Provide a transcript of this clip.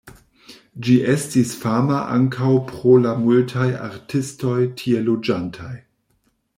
Ĝi estis fama ankaŭ pro la multaj artistoj tie loĝantaj.